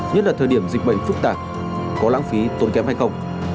nhất là thời điểm dịch bệnh phức tạp có lãng phí tốn kém hay không